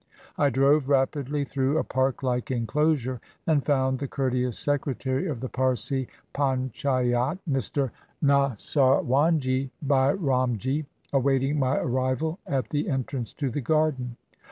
I drove rapidly through a park like inclosure, and found the courteous Secretary of the Parsi Panchayat, Mr. Nasarwanjee Byramjee, awaiting my arrival at the entrance to the garden.